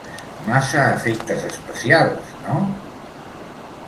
Massa efectes especials, no?